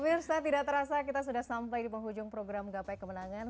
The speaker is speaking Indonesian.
pemirsa tidak terasa kita sudah sampai di penghujung program gapai kemenangan